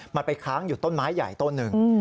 มันไปค้างอยู่ต้นไม้ใหญ่ต้นหนึ่ง